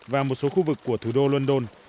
và một số khu vực của thủ đô london